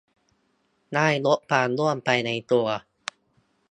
ได้ลดความอ้วนไปในตัว